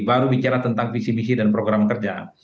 baru bicara tentang visi misi dan program kerja